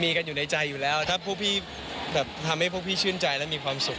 มีกันอยู่ในใจอยู่แล้วถ้าพวกพี่แบบทำให้พวกพี่ชื่นใจและมีความสุข